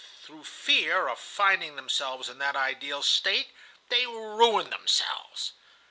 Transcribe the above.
Through fear of finding themselves in that ideal state, they ruin themselves.